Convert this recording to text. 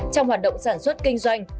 trong hoạt động sản xuất kinh doanh